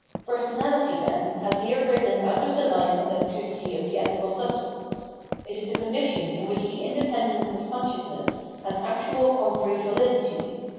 Personality, then, has here risen out of the Hfe and activity of the ethical substance. It is the con dition in which the independence of consciousness has actual concrete validity.